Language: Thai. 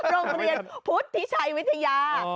โรงเรียนพุทธิชัยวิทยา